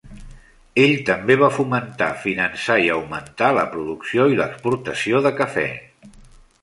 Ell també va fomentar, finançar i augmentar la producció i l'exportació de cafè.